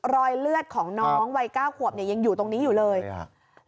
รอยเลือดของน้องวัยเก้าขวบเนี่ยยังอยู่ตรงนี้อยู่เลยครับ